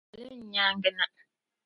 Doli n nyaaŋa na.